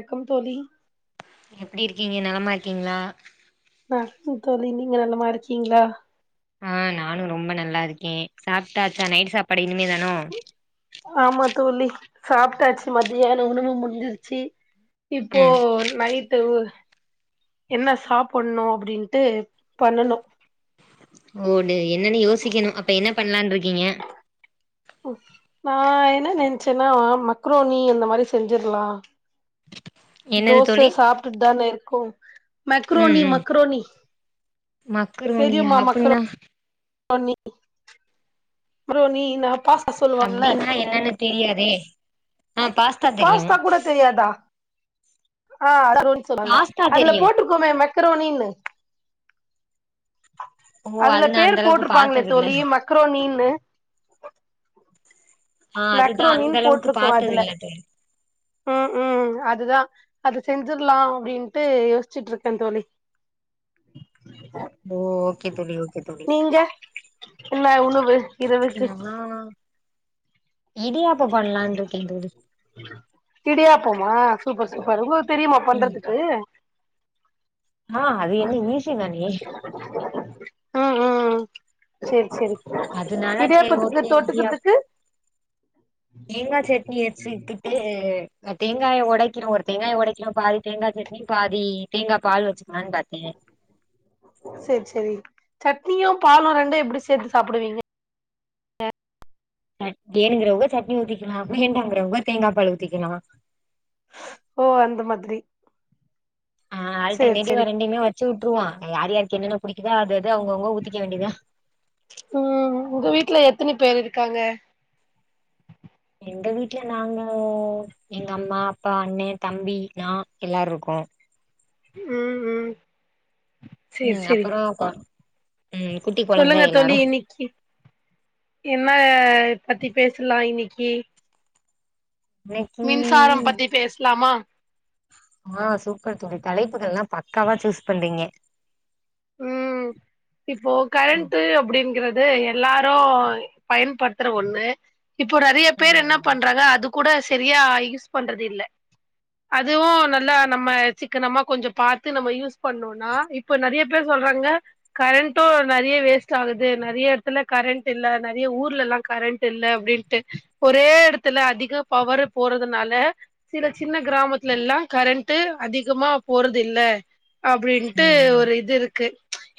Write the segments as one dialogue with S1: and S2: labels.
S1: வணக்கம் தோழி
S2: எப்டி இருக்கீங்க நலமா இருக்கீங்களா
S1: நா தோழி நீங்க நல்லமா இருக்கீங்களா
S2: ஆ நானு ரொம்ப நல்லா இருக்கே சாப்ட்டாச்சா நைட் சாப்பாடு இனிமே தானோ
S1: ஆமா தோழி சாப்ட்டாச்சு மதியான உணவு முடிஞ்சிருச்சு இப்போ
S2: ம்
S1: நைட்டு என்ன சாப்பன்ணு அப்டின்ட்டு பண்ணனு
S2: ஓடு என்னன்னு யோசிக்கணு அப்ப என்ன பண்லான் இருக்கீங்க
S1: ம் நா என்ன நென்சன்னா மக்ரோனி அந்த மாரி செஞ்சிர்லா
S2: என்னது
S1: தோச
S2: தோழி
S1: சாப்டுட்டு தான இருக்கோ
S2: ம்
S1: மக்ரோனி
S2: ம்
S1: மக்ரோனி
S2: மக்ரோனியா
S1: தெரியுமா மக்ரோ
S2: அப்புன்னா
S1: ரோனி மக்ரோனினா பாஸ்
S2: அப்டின்னா என்னன்னு தெரியாதே ஆ பாஸ்
S1: பாஸ்தா கூட தெரியாதா ஆ மக்ரோனி சொல்லுவாங்க
S2: பாஸ்தா
S1: அதுல
S2: தெரியு
S1: போட்ருக்கோமே மெக்ரோனினு
S2: ஓ
S1: அதுல
S2: அது நா
S1: பேர்
S2: அந்த அளவுக்கு
S1: போட்ருப்பாங்ளே
S2: பாத்தது இல்ல
S1: தோழி மக்ரோனீனு
S2: ஆ அதுதா அந்த
S1: மக்ரோனின்
S2: அளவுக்கு
S1: போட்ருக்கு
S2: பாத்தது
S1: அதுல
S2: இல்ல தோழி
S1: ம் ம் அதுதா அது செஞ்சிர்லா அப்டின்ட்டு யோஸ்சிட்ருக்கே தோழி
S2: ஓ ஓகே தோழி ஓகே தோழி
S1: நீங்க என்ன உணவு இரவுக்கு
S2: இடியாப்போ பண்லான்ட்ருக்கே தோழி
S1: இடிப்யாப்பமா சூப்பர் சூப்பர் உங்களுக் தெரியுமா
S2: ம்
S1: பண்றதுக்கு
S2: ஆ அது என்ன ஈசி தானே
S1: ஆ ஆ சேரி சேரி
S2: அதனால சரி
S1: இடியாபத்துக்கு
S2: ஓகே இடியாப்
S1: தொட்டுக்குத்துக்கு
S2: தேங்கா சட்னி வச்சிக்கிட்டு அ தேங்காய்ய உடைக்கிறோ ஒரு தேங்காய்ய உடைக்கிறோ பாதி தேங்கா சட் னி பாதி தேங்கா பால் வச்சுக்லான் பாத்த
S1: சேர் செரி சட்னியு பாலு ரெண்டு எப்டி சேர்த்து சாப்புடுவீங்க
S2: வேனுங்கிறவுங்க சட்னி ஊத்திக்கிலா வேண்டாங்கிறவுங்க தேங்கா பால் ஊத்திக்கிலா
S1: ஓ அந்த மாதிரி
S2: ஆ
S1: சேரி
S2: ஆல்டர்னேடிவ்வா
S1: சேரி
S2: ரெண்டையுமே வச்சு விட்டுருவோ யாருக்கு என்னென்ன புடிக்குதோ அத அது அவுங்கவுங்க ஊதிக்க வேண்டிதா
S1: ம் உங்க வீட்ல எத்தினே பேர் இருக்காங்க
S2: எங்க வீட்ல நாங்க எங்க அம்மா அப்பா அண்ணே தம்பி நா எல்லார்ருக்கோ
S1: ம் ம் சேரி
S2: ம்
S1: சேரி
S2: அப்பறோ பா
S1: சொல்லுங்க தோழி இன்னிக்கி என்னா பத்தி பேசலா இன்னிக்கி
S2: இன்னைக்கு
S1: மின்சாரம் பத்தி பேஸ்லாமா
S2: ஆ சூப்பர் தோழி தலைப்புகள்லா பக்காவா சூஸ் பண்றீங்க
S1: ம் இப்போ
S2: ம்
S1: கரண்ட்டு அப்டிங்கிறது எல்லாரு பயன்படுத்துற ஒண்ணு இப்போ நறையா
S2: ம்
S1: பேர் என்ன
S2: ஆமா
S1: பண்றாங்க அது கூட சரியா யூஸ் பண்றது இல்ல அதுவு நல்லா நம்ம சிக்கனமா கொஞ்சோ பார்த்து நம்ம யூஸ் பண்ணோனா இப்ப நறைய பேர் சொல்றாங்க கரண்ட்டு நறைய வேஸ்ட் ஆகுது நறைய இடத்துல கரண்ட் இல்லா நறைய ஊர்லலா கரண்ட் இல்ல அப்டின்ட்டு ஒரே இடத்துலா அதிக பவர்ரு போர்றதுனாலா சில சின்ன கிராமத்துல எல்லா கரண்ட்டு அதிகமா போறது இல்ல அப்டின்ட்டு
S2: ம் ம்
S1: ஒரு இது இருக்கு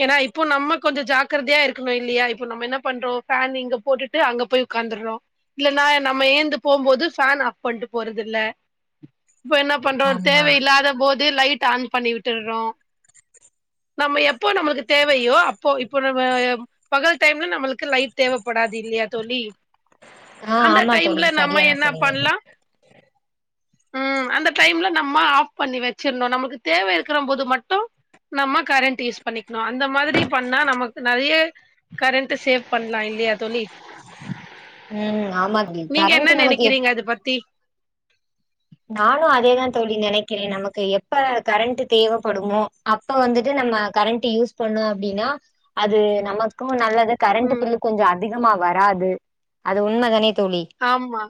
S1: ஏன்னா இப்போ நம்ம கொஞ்சோ ஜாக்கர்தையா இருக்கணு இல்லையா இப்போ நம்ம என்ன பண்றோ ஃபேன் இங்க போட்டுட்டு அங்க போய் உட்காந்துர்றோ இல்லன்னா நம்ம ஏந்து போம்போது ஃபேன் ஆஃப் பண்ட்டு போறதில்ல இப்ப என்னா பண்றோ தேவ
S2: ஆமா
S1: இல்லாத போது லைட் ஆன் பண்ணி விட்டுர்றோ நம்ம எப்போ நம்மளுக் தேவயோ அப்போ இப்போ நம்ம பகல் டைம்ல நம்மளுக்கு லைட் தேவப்படாது இல்லையா தோழி
S2: ஆ
S1: அந்த
S2: ஆமா தோழி
S1: டைம்ல நம்ம
S2: சரியாதா
S1: என்ன
S2: சொன்னீங்க
S1: பண்லா ம் அந்த டைம்ல நம்ம ஆஃப் பண்ணி வச்சிருனோ நம்ளுக் தேவ இருக்கிற போது மட்டு நம்ம கரண்ட் யூஸ் பண்ணிக்ணு அந்த மாதிரி பண்ணா நமக்கு நெறைய கரண்ட் சேவ் பண்லா இல்லையா தோழி
S2: ம் ஆமாண்டி கரண்ட் நமக்கு எ
S1: து அது பத்தி
S2: நானு அதேதா தோழி நெனைக்கிறே நமக்கு எப்ப கரண்ட் தேவப்படுமோ அப்ப வந்துட்டு நம்ம கரண்ட் யூஸ் பண்ணோ அப்டின்னா அது நமக்கும் நல்லது கரண்ட்
S1: ம்
S2: பில்லு கொஞ்ச அதிகமா வராது அது உண்மைதான தோழி
S1: ஆமா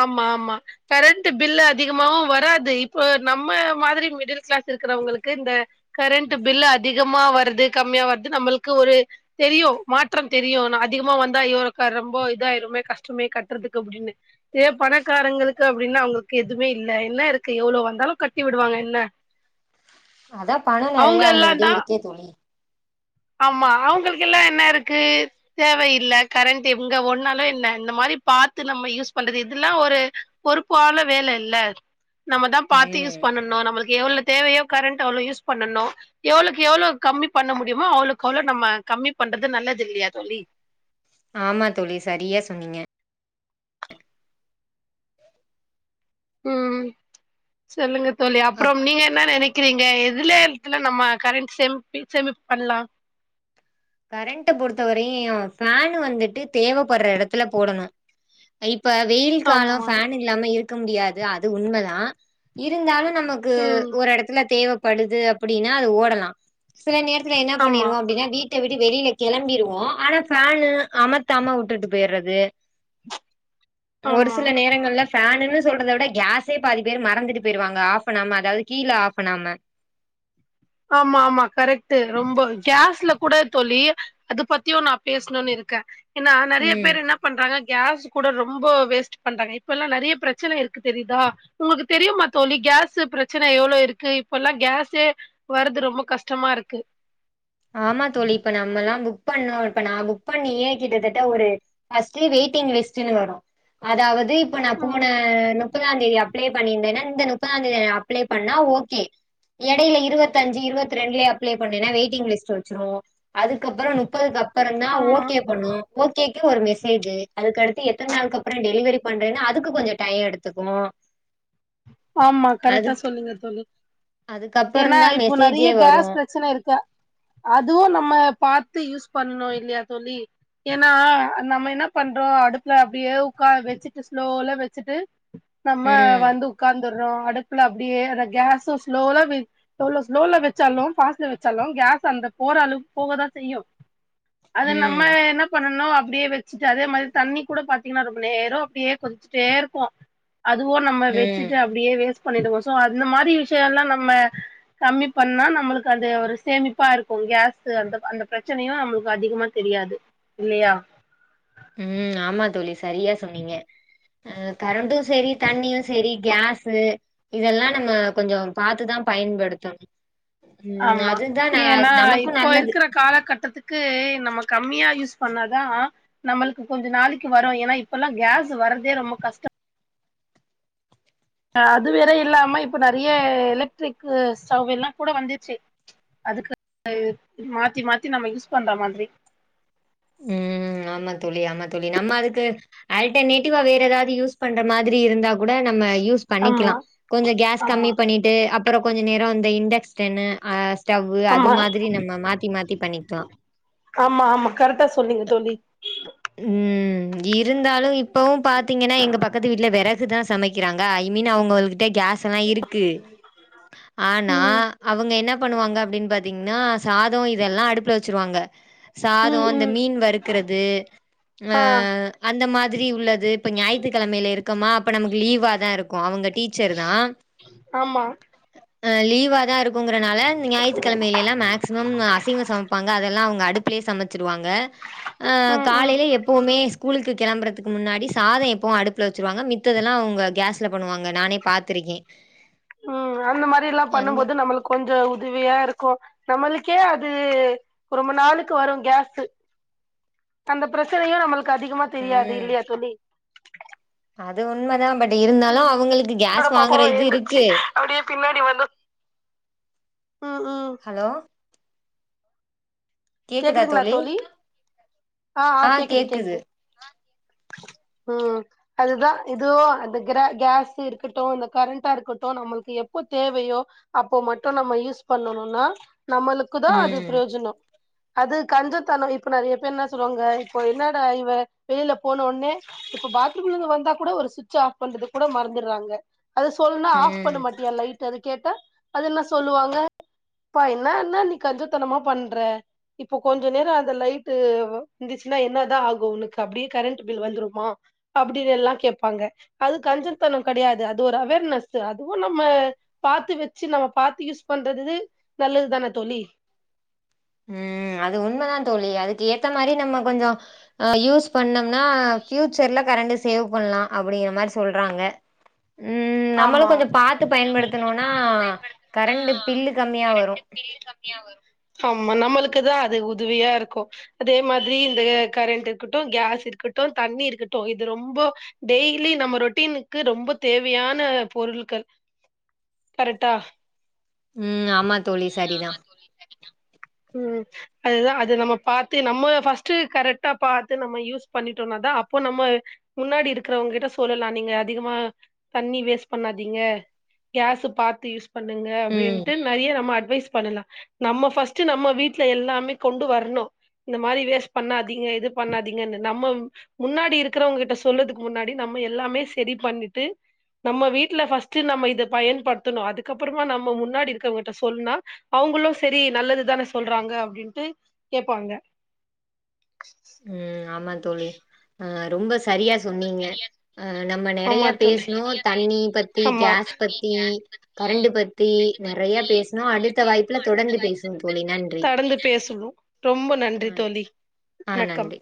S1: ஆமா ஆமா கரண்டு பில்லு அதிகமாவு வராது இப்போ நம்ம மாதிரி மிடில் காளாஸ் இருக்கிறவங்களுக்கு இந்த கரண்ட் பில்லு அதிகமா வருது கம்மியா வருது நம்மளுக்கு ஒரு தெரியு மாற்றம் தெரியு ஆனா அதிகமா வந்தா இரோ ரொம்போ இதாயுருமே கஷ் டமே கட்றதுக்கு அப்டின்னு இதே பணக்காரங்களுக் கு அப்டின்னு அவங்களுக்கு எதுமே இல்ல என்ன இருக்கு எவ்ளோ வந்தாலு கட்டி விடுவாங்க என்ன
S2: அதா பணோ
S1: அவங்க
S2: நெறைய
S1: எல்லா
S2: அவங்ககிட்டே
S1: தா
S2: இருக்கே தோழி
S1: ஆமா அவங்களுக்கெல்லா என்ன இருக்கு தேவையில்ல கரண்ட் எங்க ஓட்னாலு என்ன இந்த மாரி பாத்து நம்ம யூஸ் பண்றது இதுல்லா ஒரு பொறுப்பான வேல இல்ல நம்ம தா பாத்து
S2: ம்
S1: யூஸ் பண்ணணு நம்மளுக் எவ்ள தேவையோ கரெண்ட் அவ்ளோ யூஸ் பண்ணனு எவ்வளவுக்கு எவ்ளோ கம்மி பண்ண முடியு தெரியுமோ அவ்ளோக் அவ்ளோ நம்ம கம்மி பண்றது நல்லது இல்லையா தோழி
S2: ஆமா தோழி சரியா சொன்னீங்க
S1: ம் சொல்லுங்க தோழி
S2: அப்
S1: அப்றம் நீங்க என்ன நெனைக்கிறீங்க எதுல இது நம்ம கரண்ட் சேமிப் சேமிப் பண்லா
S2: கரண்டை பொறுத்தவரையு ஃபேன் வந்துட்டு தேவைப்படுற இடத்துல போடணு இப்ப வெயில் காலோ
S1: ஆமா
S2: ஃபேன் இல்லாம இருக்க முடியாது அது உண்மதா இருந்தாலு நம்ம கு
S1: ம்
S2: ஒரு எடத்துல தேவப்படுது அப்டின்னா அது ஓடலா செல நேரத்துல என்ன
S1: ஆமா
S2: பண்ணிருவோ அப்டின்னா வீட் ட விட்டு வெளியில கெளம்பிருவோ ஆனா ஃபேனு அமத்தாம விட்டுட்டு போயிறது ஒரு
S1: ஆமா
S2: சில நேரங்கள்ல ஃபேனுன்னு சொல்றத விட கேஸே பாதி பேர் மறந்துட்டு போயிருவாங்க ஆஃப் பண்ணாம அதாது கீழ ஆஃப் பண்ணாம
S1: ஆமா ஆமா கரெக்டு ரொம்போ கேஸ்ல கூட தொழி அது பத்தியு நா பேசணுனு இருக்கே ஏனா நெறைய
S2: ம்
S1: பேர் என்ன பண்றாங்க கேஸ் கூட ரொம்ப வேஸ்ட் பண்றாங்க இப்ப எல்லாம நெறைய பிரச்சனை இருக்கு தெரியுதா உங்கக்கு தெரியுமா தோழி கேஸூ பிரச்சனை எவ்ளோ இருக்கு இப்பெல்லா கேஸே வர்றது ரொம்ப கஷ்டமா இருக்கு
S2: ஆமா தோழி இப்ப நம்மல்லா புக் பண்ணோ இப்ப நா புக் பண்ணியே கிட்டத்தட்ட ஒரு பஸ்ட்டு வெயிட்டிங் லிஸ்டுன்னு வரு அதாவது இப்ப நா
S1: ம்
S2: போன எனோ முப்பதாந்தேதி அப்ளை பண்ணி இருந்தேன்னா இந்த முப்பதாந்தேதி அப்ளை பண்ணா ஓகே எடையில இருவத்தஞ்சு இருபத்ரெண்டுலே அப்ளை பண்ணேனா வெயிட்டிங் லிஸ் சொல்ச்ரோ அதுக்கப்புறோ முப்பதுக்கு அப்புறந்தா
S1: ஆமா
S2: ஓகே பண்ணு ஓகேக்கு ஒரு மெசேஜூ அதுக்கடுத்து எத்தன நாள்க்கு அப்புறோ டெலிவரி பண்றேன்னு அதுக்கு கொஞ்சோ டையோ எடுத்துக்கு
S1: ஆமா கரெக்டா
S2: அதுக்
S1: சொல்லுங்க தோழி ஏன்னா
S2: அதுக்கப்புறந்தா
S1: இப்போ நிறைய
S2: மெசேஜே வரு
S1: கேஸ் பிரச்சனை இருக்கா அதுவும் நம்ம பார்த்து யூஸ் பண்ணணும் இல்லையா தோழி ஏன்னா நம்ம என்ன பண்றோம் அடுப்புல அப்டியே உக்கார வச்சுட்டு ஸ்லோல வச்சுட்டு நம்ம
S2: ம்
S1: வந்து உட்காந்துடுறோம் அடுப்புல அப்டியே அந்த கேஸும் ஸ்லோல வை எவ்ளோ ஸ்லோல வச்சாலும் பாஸ்ட்ல வச்சாலும் கேஸ் அந்த போற அளவு போகதான் செய்யும் அது நம்ம
S2: ம்
S1: என்ன பண்ணனும் அப்டியே வச்சுட்டு அதே மாதிரி தண்ணி கூட பாத்தீங்கன்னா ரொம்ப நேரம் அப்டியே கொதுச்சுட்டே இருக்கும் அதுவும் நம்ம
S2: ம்
S1: வச்சுட்டு அப்டியே வேஸ்ட் பண்ணிடுவோம் சோ அந்த மாரி விஷயம் எல்லாம் நம்ம கம்மி பண்ணா நம்மளுக்கு அது ஒரு சேமிப்பா இருக்கும் கேஸ் அந்த அந்த பிரச்சனையும் நம்மளுக்கு அதிகமா தெரியாது இல்லையா
S2: ம் ஆமா தோழி சரியா சொன்னீங்க அ கரண்ட்டும் செரி தண்ணியும் செரி கேஸு இதெல்லாம் நம்ம கொஞ்சோ பாரத்துதான் பயன்படுத்தணும்
S1: ஆமா ஏன்னா
S2: நமக்கு
S1: இப்போ
S2: நல்லது
S1: இருக்கிற காலகட்டத்து க்கு நம்ம கம்மியா யூஸ் பண்ணாதா நம்மளுக்கு கொஞ்ச நாளைக்கு வரும் ஏன்னா இப்ப எல்லாம் கேஸ் வரறதே ரொம்ப கஷ்டம் அது வேற இல்லாம இப்போ நிறைய எலக்ட்ரிக் ஸ்டவ் எல்லாம் கூட வந்துடுச்சு அதுக்கு மாத்தி மாத்தி நம்ம யூஸ் பண்ற மாதிரி
S2: ம் ஆமா தோழி ஆமா தோழி நம்ம அதுக்கு ஆல்டர்னேட்டிவா வேற ஏதாவது யூஸ் பண்ற மாதிரி இருந்தா கூட நம்ம யூஸ்
S1: ஆமா
S2: பண்ணிக்கலா கொஞ்சோ கேஸ்
S1: ஆமா
S2: கம்மி பண்ணிட்டு அப்பறோ கொஞ்ச நேரோ வந்து இண்டெக்ஸ்டென்னு அ ஸ்டவ் அது
S1: ஆமா
S2: மாதிரி நம்ம மாத்தி மாத்தி பண்ணிக்கலா
S1: ஆமா ஆமா கரெக்டா சொன்னீங்க தோழி
S2: ம் இருந்தாலும் இப்பவும் பாத்தீங்கன்னா எங்க பக்கத்து வீட்ல வெற றகு தான் சமைக்கிறாங்க ஐ மீன் அவங்ககிட்ட கேஸ்ல்லாம் இருக்கு ஆனா
S1: ம்
S2: அவங்க என்ன பண்ணுவாங்க அப்டின்னு பாத்தீங்கன்னா சாதோ இதெல்லாம் அடுப்புல வச்சிருவாங்க சாதோ
S1: ம்
S2: அந்த
S1: ம்
S2: மீன் வறுக்குறது ஆ அந்த மாதிரி உள்ளது இப்ப ஞாயிற்றுக்கிழமையில இருக்கோமா அப்ப நமக்கு லீவா தான் இருக் அவங்க டீச்சர் தான்
S1: ஆமா
S2: அ லீவா தான் இருக் குன்றனால ஞாயிற்றுக்கிழையிலல்லாம் மேக்ஸிமம் அசைவம் சமைப்பாங்க அதெல்லாம் அவங்க அடுப்பிலே சமச்சிடுவாங்க ஆ
S1: ம் ம்
S2: எப்பவுமே ஸ்கூலுக்கு கிளம்பறதுக்கு முன்னாடி சாதோ எப்பவும் அடுப்புல வச்சிருவாங்க மித்ததுலாம் அவங்க கேஸ்ல பண்ணுவாங்க நானே பார்த்துருக்கேன்
S1: ம் அந்த மாதிரில்லாம்
S2: அந்த
S1: பண்ணும்போது நம்மளு க்கு கொஞ்சம் உதவியா இருக்கும் நம்மளுக்கே அது ரொம்ப நாளைக்கி வரு கேஸு அந்த பிரச்சனையு நம்மளுக் அதிகமா தெரியாது
S2: ம்
S1: இல்லையா தோழி
S2: அது உண்மைதா பட் இருந்தாலு
S1: ம்
S2: அவுங்களுக்கு
S1: என்னோட
S2: கேஸ் வாங்குற
S1: பாப்பாவு
S2: இது
S1: ஏந்துருச்சு
S2: இருக்கு
S1: அப்டியே பின்னாடி வந்து ம் ம்
S2: ஹலோ
S1: கேக்குதுங்களா தோழி அ அ கேக்குது கேக்குது ம் அதுதா இதுவோ அந்த கிர கேஸ் இருக்கட்டு இந்த கரண்டா இருக்கட்டு நம்மளுக்கு எப்போ தேவையோ அப்போ மட்டு நம்ம யூஸ் பண்ணனுனா நம்மளுக்கு தா அது
S2: ம்
S1: பிரயோஜனோ அது கஞ்சத்தன இப்ப நறிய பேர் இன்ன சொல்லுவாங்க இப்போ என்னடா இவ வெளில போன ஒன்னே இப்ப பாத்ரூம்ல இருந்து வந்தா கூட ஒரு சுச் ஆஃப் பண்றது கூட மறந்துற்றாங்க அது சொல்ன்னா ஆஃப் பண்ண
S2: ம்
S1: மாட்டியா லை ட் அது கேட்ட அது என்ன சொல்லுவாங்க பா இன்னா இன்னா நீ கஞ்சத்தனமா பண்ற இப்போ கொஞ்ச நேர அந்த லைட்டு இந்துச்சின்னா என்னதா ஆகு உனக்கு அப்டியே கரண்ட்டு பில் வந்துருமா அப்டின் எல்லா கேப்பாங்க அது கஞ்சத்தனோ கடையாது அது ஒரு அவேர்னஸு அதுவு நம்ம பாத்து வெச்சி நம்ம பாத்து யூஸ் பண்றதுது நல்லது தான தோழி
S2: ம் அது உண்மதா தோழி அதுக்கு ஏத்த மாரி நம்ம கொஞ்சோ அ யூஸ் பண்ணம்னா ஃபியூச்சர்ல கரண்ட்டு சேவ் பண்லா அப்புடிங்கிற மாரி சொல்றாங்க ம் நம்மளு
S1: ஆமா
S2: கொஞ்ச பாத்து பயன்படுத்தணுனா கரண்ட்டு பில்லு கம்மியா வரு
S1: ஆமா நம்மளுக்கு தா அது உதுவியா இருக்கு அதே மாத்ரி இந்த கரெண்ட் இருக்குட்டு கேஸ் இருக்குட்டு தண்ணி இருக்குட்டு இது ரொம்போ டெய்லி நம்ம ரொட்டீனுக்கு ரொம்ப தேவ் வியான பொருள்கள் கரெட்டா
S2: ம் ஆமாத்
S1: ம் அதுதா அது நம்ம பாத்து நம்ம ஃபஸ்ட்டு கரெக்ட்டா பாத்து நம்ம யூஸ் பண்ணிட்டோனாத அப்போ நம்ம முன்னாடி இருக்றவுங் கிட்ட சொல்லலா நீங்க அதிகமா தண்ணி வேஸ்ட் பண்ணாதீங்க கேஸு பாத்து யூஸ் பண்ணுங்க
S2: ம்
S1: அப்டின்ட்டு நறிய நம் ம அட்வைஸ் பண்ணலா நம்ம ஃபஸ்ட்டு நம்ம வீட்ல எல்லாமே கொண்டு வர்ணு இந்த மாரி வேஸ் பண்ணாதீங்க இது பண்ணாதீங்கன்னு நம்ம முன்னாடி இருக்குறவுங்க கிட்ட சொல்றதுக்கு முன்னாடி நம்ம எல்லாமே செரி பண்ணிட்டு நம்ம வீட்ல ஃபஸ்ட்டு நம்ம இத பயன்படுத்தணு அதுக்கப்புறமா நம்ம முன்னாடி இருக்கவுங்க ட்ட சொல்னா அவுங்களு செரி நல்லது தான சொல்றாங்க அப்டின்ட்டு கேப்பாங்க
S2: ம் ஆமா தோழி அ ரொம்ப சரியா சொன்னீங்க அ நம்ம
S1: ஆமா
S2: நெறயா
S1: தோழி
S2: பேஸ்னோ தண்ணி பத்தி
S1: ஆமா
S2: கேஸ் பத்தி கரண்டு பத்தி நெறைய பேஸ்னோ அடுத்த வாய்ப்புல தொடர்ந்து பேசுவோ தோழி நன்றி
S1: கடந்து பேசுனு ரொம்ப நன்றி தோழி
S2: அ
S1: வணக்கம்
S2: நன்றி